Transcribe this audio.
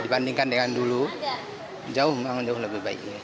dibandingkan dengan dulu jauh lebih baik